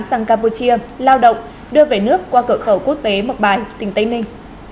sang campuchia lao động đưa về nước qua cửa khẩu quốc tế mộc bài tỉnh tây ninh